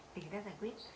để người ta giải quyết